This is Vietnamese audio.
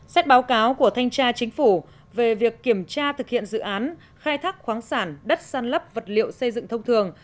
xét báo cáo của thanh tra chính phủ về việc kiểm tra thực hiện dự án khai thác khoáng sản đất săn lấp vật liệu xây dựng thông thường